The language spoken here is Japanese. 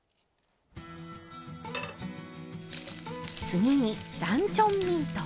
次にランチョンミート。